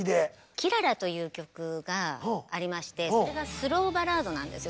「きらら」という曲がありましてそれがスローバラードなんですよ